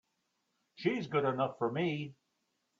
She's good enough for me!